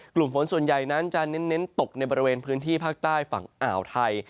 กลุ่มฝนส่วนใหญ่นั้นจะเน้นตกในบริเวณพื้นที่ภาคใต้ฝั่งอ่าวไทย